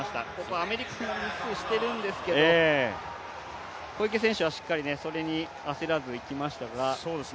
アメリカもミスをしているんですけど、小池選手はそれにしっかりと焦らずに行きましたが。